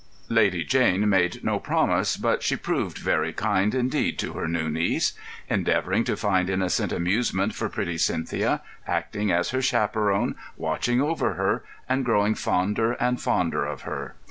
Lady Jane made no promise, but she proved very kind indeed to her new niece; endeavouring to find innocent amusement for pretty Cynthia, acting as her chaperon, watching over her, and growing fonder and fonder of her.